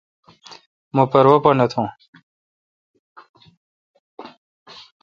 مہ پروا پا نہ تھو۔